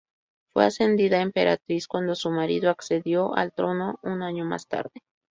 Fue ascendida a emperatriz cuando su marido accedió al trono un año más tarde.